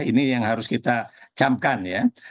ini yang harus kita camkan ya